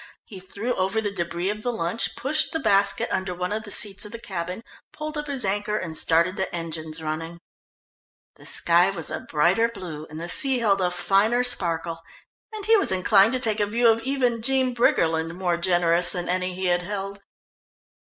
He threw over the debris of the lunch, pushed the basket under one of the seats of the cabin, pulled up his anchor and started the engines running. The sky was a brighter blue and the sea held a finer sparkle, and he was inclined to take a view of even Jean Briggerland, more generous than any he had held.